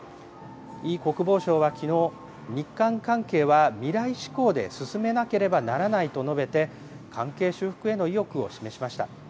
イ国防相はきのう、日韓関係は未来志向で進めなければならないと述べて、関係修復への意欲を示しました。